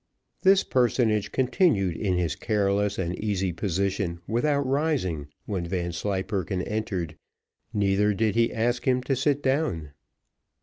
This personage continued in his careless and easy position without rising when Vanslyperken entered, neither did he ask him to sit down.